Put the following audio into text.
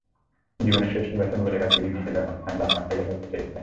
জীবনের শেষ নির্বাচন বলে এবার তিনি নিজের জন্মস্থান বারমার থেকে লড়তে চেয়েছিলেন।